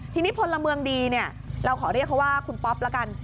ทีนี้พลเมืองดีเนี่ยเราขอเรียกเขาว่าคุณป๊อปละกัน